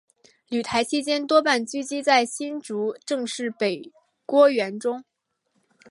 旅台期间多半寄居在新竹郑氏北郭园中。